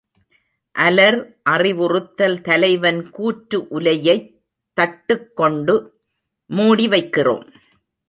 அலர் அறிவுறுத்தல் தலைவன் கூற்று உலையைத் தட்டுக்கொண்டு மூடி வைக்கிறோம்.